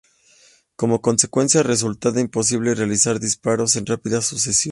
Como consecuencia, resultaba imposible realizar disparos en rápida sucesión.